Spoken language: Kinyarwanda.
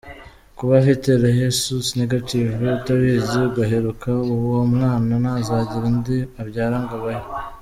Kuba ufite rhesus negative utabizi ugaheruka uwo mwana ntazagire undi abyara ngo abeho.